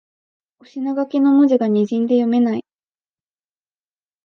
お品書きの文字がにじんで読めない